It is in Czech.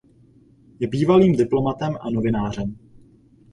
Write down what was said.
Je bývalým diplomatem a novinářem.